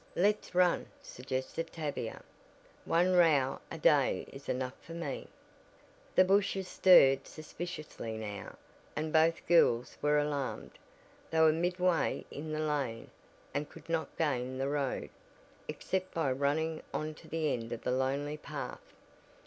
"Let's run," suggested Tavia. "One row a day is enough for me." The bushes stirred suspiciously now, and both girls were alarmed. They were midway in the lane, and could not gain the road, except by running on to the end of the lonely path.